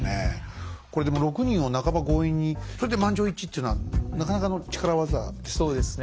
これでも６人を半ば強引にそれで満場一致っていうのはなかなかの力業ですね。